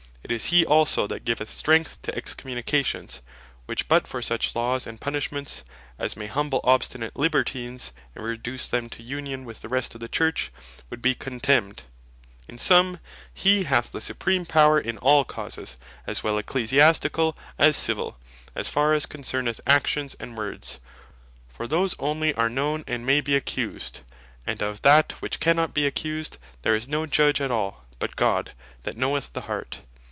It is he also that giveth strength to Excommunications; which but for such Laws and Punishments, as may humble obstinate Libertines, and reduce them to union with the rest of the Church, would bee contemned. In summe, he hath the Supreme Power in all causes, as well Ecclesiasticall, as Civill, as far as concerneth actions, and words, for these onely are known, and may be accused; and of that which cannot be accused, there is no Judg at all, but God, that knoweth the heart.